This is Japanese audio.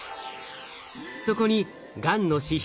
そこにがんの指標